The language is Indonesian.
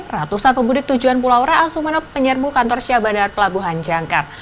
ratusan pemudik tujuan pulau reasumeno penyerbu kantor syabadar pelabuhan jangkar